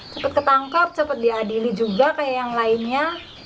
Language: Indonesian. cepat ketangkap cepat diadili juga kayak yang lainnya